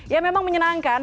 ya memang menyenangkan